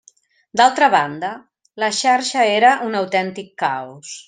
D'altra banda, la xarxa era un autèntic caos.